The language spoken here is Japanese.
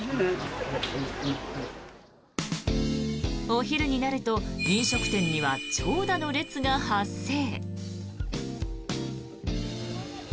お昼になると飲食店には長蛇の列が発生。